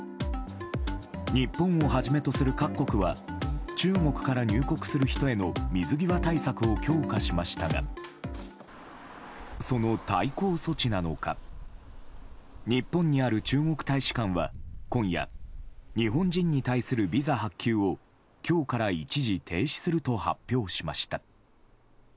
日本をはじめとする各国は中国から入国する人への水際対策を強化しましたがその対抗措置なのか日本にある中国大使館は今夜日本人に対するビザ発給を今日から一時停止すると発表しました。